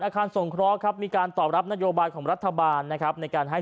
อาคารสงเคราะห์ครับมีการตอบรับนโยบายของรัฐบาลนะครับในการให้